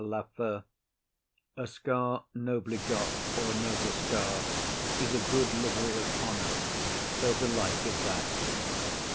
LAFEW. A scar nobly got, or a noble scar, is a good livery of honour; so belike is that.